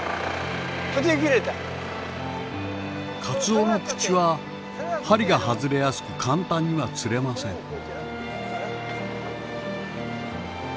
カツオの口は針が外れやすく簡単には釣れません。